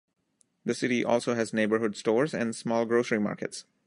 The city also has neighborhood stores and small grocery markets.